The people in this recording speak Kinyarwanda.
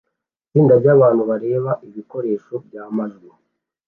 Itsinda ryabantu bareba ibikoresho byamajwi